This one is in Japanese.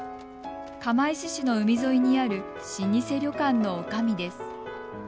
釜石市の海沿いにある老舗旅館のおかみです。